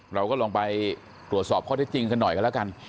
เราก็ลองไปตรวจสอบข้อที่จริงกันหน่อยกันแล้วกัน